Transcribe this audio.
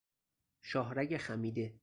شاهرگ خمیده